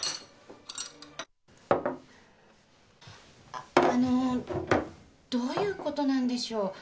あっあのどういうことなんでしょう？